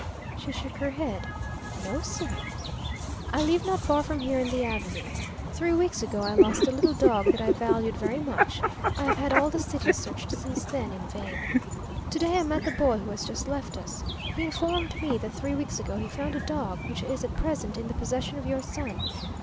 She shook her head. "No, sir." "I live not far from here on the avenue. Three weeks ago I lost a little dog that I valued very much I have had all the city searched since then, in vain. To day I met the boy who has just left us. He informed me that three weeks ago he found a dog, which is at present in the possession of your son.